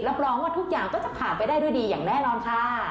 รองว่าทุกอย่างก็จะผ่านไปได้ด้วยดีอย่างแน่นอนค่ะ